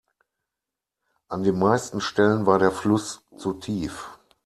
An den meisten Stellen war der Fluss zu tief.